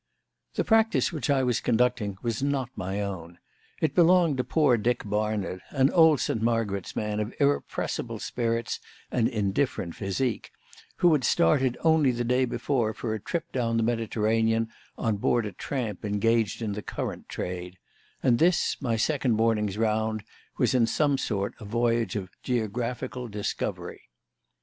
The practice which I was conducting was not my own. It belonged to poor Dick Barnard, an old St. Margaret's man of irrepressible spirits and indifferent physique, who had started only the day before for a trip down the Mediterranean on board a tramp engaged in the currant trade; and this, my second morning's round, was in some sort a voyage of geographical discovery.